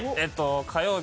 火曜日